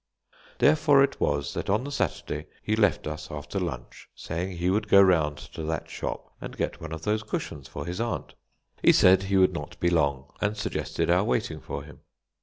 Therefore it was that on the Saturday he left us after lunch, saying he would go round to that shop and get one of those cushions for his aunt. He said he would not be long, and suggested our waiting for him.